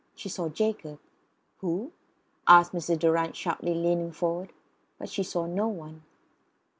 She saw Jacob. "Who?" asked Mrs. Durrant sharply, leaning forward. But she saw no one.